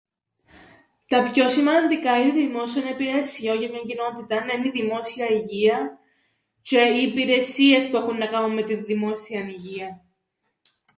Τα πιο σημαντικά είδη δημόσιων υπηρεσιών για την κοινότηταν εν' η δημόσια υγεία τζ̆αι οι υπηρεσίες που έχουν να κάμουν με την δημόσιαν υγείαν.